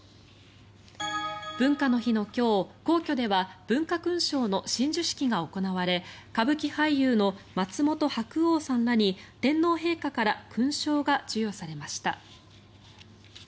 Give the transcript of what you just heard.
文化の日の今日、皇居では文化勲章の親授式が行われ歌舞伎俳優の松本白鸚さんらに天皇陛下から勲章が授与されました。